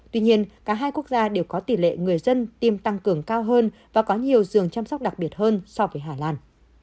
tuy nhiên cả hai quốc gia đều có tỷ lệ người dân tiêm tăng cường cao hơn và có nhiều giường chăm sóc đặc biệt hơn so với hà lan